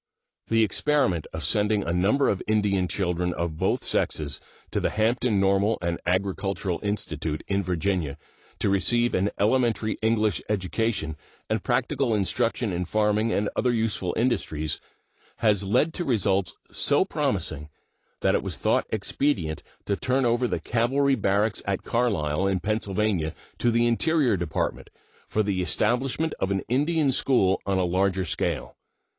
The experiment of sending a number of Indian children of both sexes to the Hampton Normal and Agricultural Institute, in Virginia, to receive an elementary English education and practical instruction in farming and other useful industries, has led to results so promising that it was thought expedient to turn over the cavalry barracks at Carlisle, in Pennsylvania, to the Interior Department for the establishment of an Indian school on a larger scale.